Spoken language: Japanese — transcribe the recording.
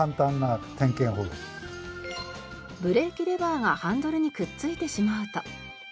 ブレーキレバーがハンドルにくっついてしまうと。